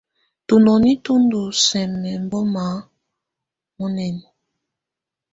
Tunoní tú ndɔ́ sǝ́mǝ́ ɛmbɔma mɔɲǝŋa.